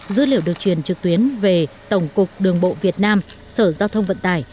dữ liệu được truyền trực tuyến về tổng cục đường bộ việt nam sở giao thông vận tải